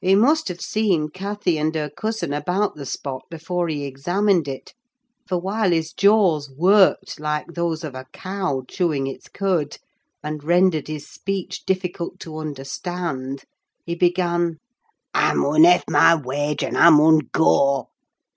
He must have seen Cathy and her cousin about the spot before he examined it, for while his jaws worked like those of a cow chewing its cud, and rendered his speech difficult to understand, he began:— "I mun hev' my wage, and I mun goa!